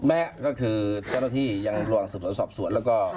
แม่ก็คือเจ้าหน้าที่ยังร่วมศึกษาสอบสวนแล้วก็